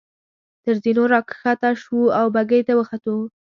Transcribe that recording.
تر زینو را کښته شوو او بګۍ ته وختو.